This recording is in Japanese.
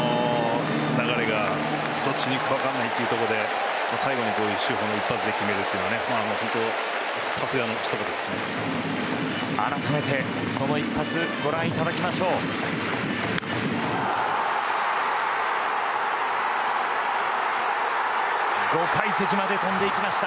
流れがどっちに行くか分からないというところで最後に一発で決めるというのは改めて、その一発です。